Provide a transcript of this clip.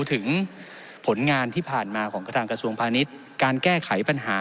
ถึงผลงานที่ผ่านมาของกระทรวงพาณิชย์การแก้ไขปัญหา